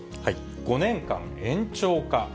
５年間延長か。